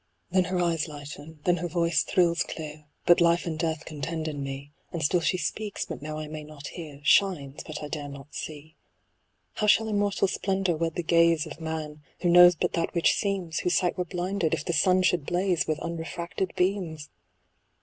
Then her eyes lighten, then her voice thrills clear, But life and death contend in me ; And still she speaks, but now I may not hear ; Shines, but I dare not see. How shall immortal splendour wed the gaze Of man, who knows but that which seems, Whose sight were blinded, if the sun should blaze With unrefracted beams